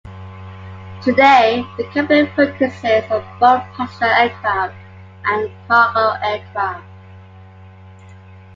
Today, the company focuses on both passenger aircraft and cargo aircraft.